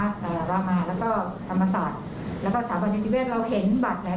ค่ะเอ่อรามาแล้วก็ธรรมสาติแล้วก็สามติดเวทเราเห็นบัตรแล้ว